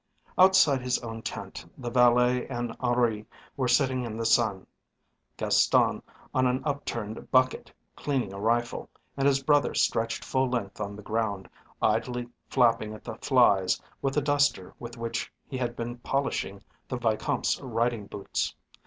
Outside his own tent the valet and Henri were sitting in the sun, Gaston on an upturned bucket, cleaning a rifle, and his brother stretched full length on the ground, idly flapping at the flies with the duster with which he had been polishing the Vicomte's riding boots.